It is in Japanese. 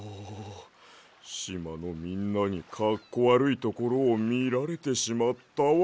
しまのみんなにかっこわるいところをみられてしまったわ。